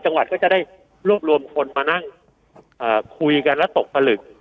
จังหวัดก็จะได้รวบรวมคนมานั่งคุยกันแล้วตกผลึก